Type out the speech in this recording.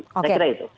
saya kira itu